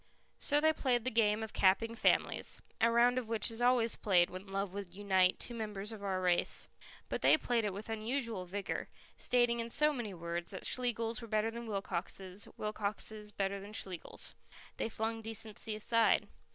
So they played the game of Capping Families, a round of which is always played when love would unite two members of our race. But they played it with unusual vigour, stating in so many words that Schlegels were better than Wilcoxes, Wilcoxes better than Schlegels. They flung decency aside.